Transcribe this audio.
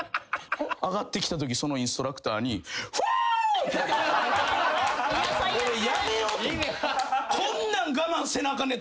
上がってきたときそのインストラクターに「フーッ！」俺辞めようと。